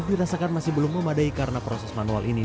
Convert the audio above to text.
dirasakan masih belum memadai karena proses manual ini